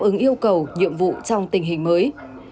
ứng yêu cầu nhiệm vụ trong tình hình mới